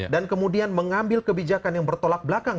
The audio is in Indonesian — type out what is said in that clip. dan kemudian mengambil kebijakan yang bertolak belakang